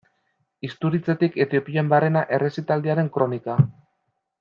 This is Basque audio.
Isturitzetik Etiopian barrena errezitaldiaren kronika.